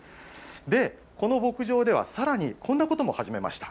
で、この牧場ではさらにこんなことも始めました。